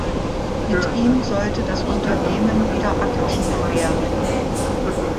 Mit ihm sollte das Unternehmen wieder aktiv werden.